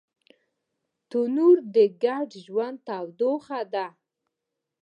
تنور د ګډ ژوند تودوخه ده